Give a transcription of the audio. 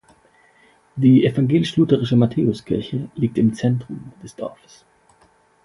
Die evangelisch-lutherische Matthäus-Kirche liegt im Zentrum des Dorfes.